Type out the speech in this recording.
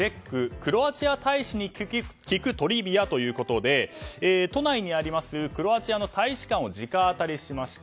クロアチア大使に聞くトリビアということで都内にあります、クロアチアの大使館を直アタリしました。